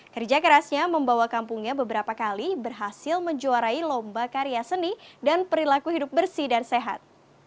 kerja kerasnya membawa kampungnya beberapa kali berhasil menjuarai lomba karya seni dan perilaku hidup bersih dan sehat